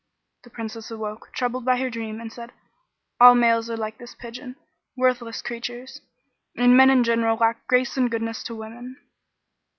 The Princess awoke, troubled by her dream, and said, 'All males are like this pigeon, worthless creatures: and men in general lack grace and goodness to women.'"